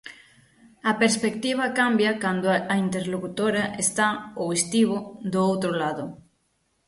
A perspectiva cambia cando a interlocutora está, ou estivo, do outro lado.